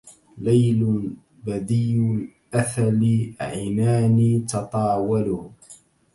ليل بذي الأثل عناني تطاوله